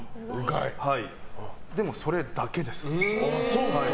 でも、それだけです。